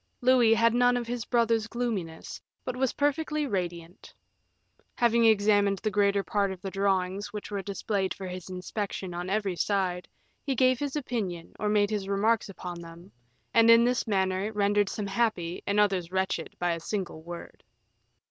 Louis had none of his brother's gloominess, but was perfectly radiant. Having examined the greater part of the drawings which were displayed for his inspection on every side, he gave his opinion or made his remarks upon them, and in this manner rendered some happy and others wretched by a single word.